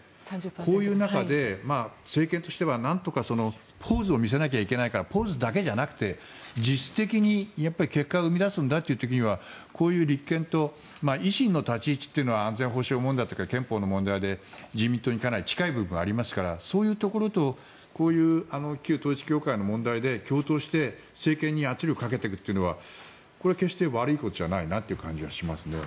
こういう中で、政権としてはなんとか、ポーズを見せなきゃいけないからポーズだけじゃなくて実質的に結果を生み出すんだという時にはこういう立憲と維新の立ち位置というのは安全保障問題とか憲法の問題で自民党にかなり近い部分がありますからそういうところと旧統一教会の問題で共闘して政権に圧力をかけていくのはこれ、決して悪いことじゃないなという感じがします。